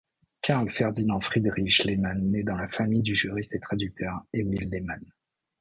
Carl Ferdinand Friedrich Lehmann naît dans la famille du juriste et traducteur Emil Lehmann.